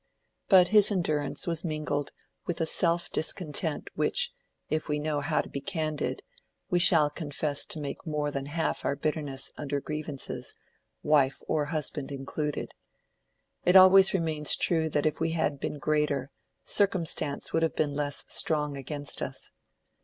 But his endurance was mingled with a self discontent which, if we know how to be candid, we shall confess to make more than half our bitterness under grievances, wife or husband included. It always remains true that if we had been greater, circumstance would have been less strong against us.